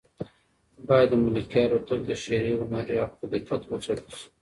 باید د ملکیار هوتک د شعر هنري اړخ په دقت وڅېړل شي.